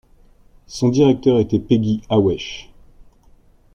Son directeur était Peggy Ahwesh.